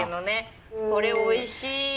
これおいしい。